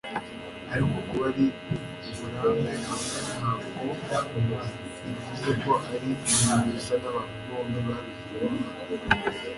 ariko kuba ari uburambe hamwe ntabwo bivuze ko ari ibintu bisa n'abantu bombi babigizemo uruhare.”